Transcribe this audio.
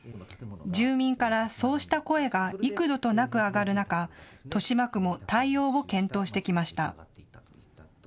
住民からそうした声が幾度となく上がる中、豊島区も対応を検討してきました。